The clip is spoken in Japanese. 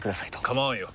構わんよ。